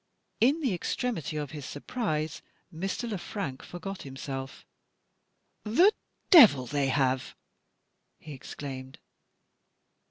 In the extremity of his surprise, Mr. Le Frank forgot himself. "The devil they have!" he exclaimed.